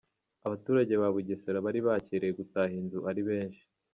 Abaturage ba Bugesera bari bakereye gutaha izi nzu ari benshi.